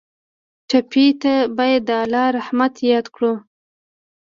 ټپي ته باید د الله رحمت یاد کړو.